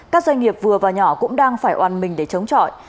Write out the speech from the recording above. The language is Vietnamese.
các doanh nghiệp vừa và nhỏ cũng đang phải oàn mình để chống chọi